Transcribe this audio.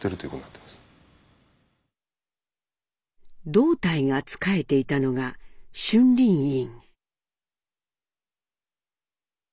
道泰が仕えていたのが「春林院」。